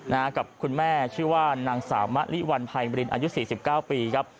นะฮะกับคุณแม่ชื่อว่านางสามาริวัลไพมรินอายุ๔๙ปีครับ